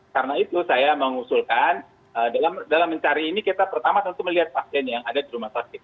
karena itu saya mengusulkan dalam mencari ini kita pertama tentu melihat pasien yang ada di rumah sakit